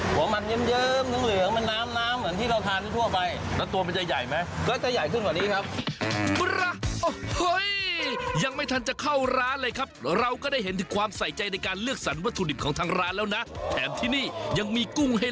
หัวมันเยิ่มเหลืองมันน้ำเหมือนที่เราทานที่ทั่วไป